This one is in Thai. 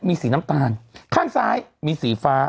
มีสีน้ำตาลข้างซ้ายมีสีฟ้า